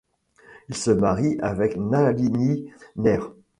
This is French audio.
Il se marie avec Nalini Nair.